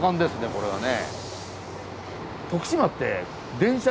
これはね。